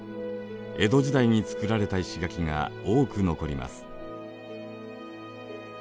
江戸時代につくられた石垣が多く残ります。